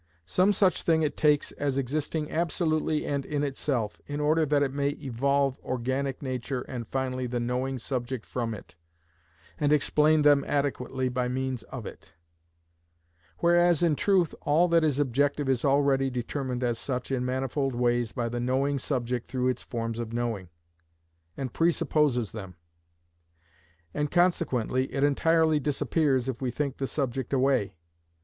Some such thing it takes, as existing absolutely and in itself, in order that it may evolve organic nature and finally the knowing subject from it, and explain them adequately by means of it; whereas in truth all that is objective is already determined as such in manifold ways by the knowing subject through its forms of knowing, and presupposes them; and consequently it entirely disappears if we think the subject away.